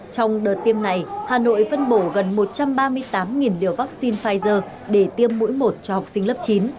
trong đợt tiêm này hà nội phân bổ gần một trăm ba mươi tám liều vaccine pfizer để tiêm mũi một cho học sinh lớp chín